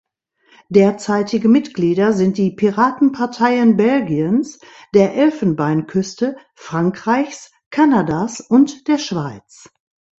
Derzeitige Mitglieder sind die Piratenparteien Belgiens, der Elfenbeinküste, Frankreichs, Kanadas und der Schweiz.